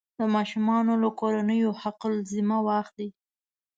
د ماشومانو له کورنیو حق الزحمه واخلي.